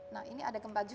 nah ini ada gempa juga